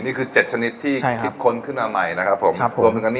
นี่คือ๗ชนิดที่คิดค้นขึ้นมาใหม่นะครับผม